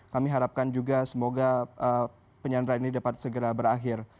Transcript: kami harapkan juga semoga penyanderaan ini dapat segera berakhir